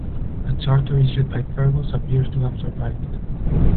A charter issued by Fergus appears to have survived.